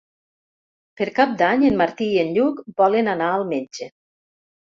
Per Cap d'Any en Martí i en Lluc volen anar al metge.